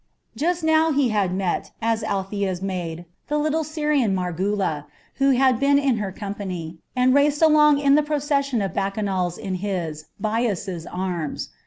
Just now he had met, as Althea's maid, the little Syrian Margula, who had been in her company, and raced along in the procession of bacchanals in his, Bias's, arms.